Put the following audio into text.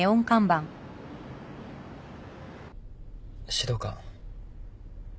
指導官。